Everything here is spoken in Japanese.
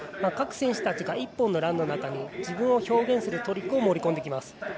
各選手たちが１本のランの中に自分を表現するトリックを盛り込んできます。